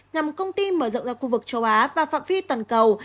nhằm công ty mở rộng ra khu vực châu á và phạm vi toàn cầu